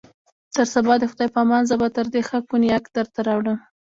تر سبا د خدای په امان، زه به تر دې ښه کونیاک درته راوړم.